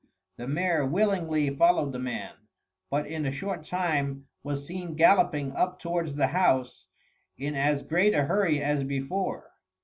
The mare willingly followed the man; but in a short time was seen galloping up towards the house in as great a hurry as before.